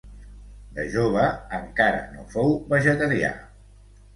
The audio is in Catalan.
De jove encara no fou vegetarià.